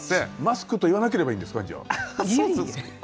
「マスク」と言わなければいいんですかじゃあ。